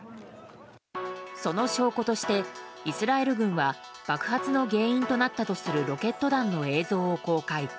その証拠としてイスラエル軍は爆発の原因となったとするロケット弾の映像を公開。